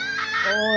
おい